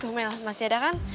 tuh mel masih ada kan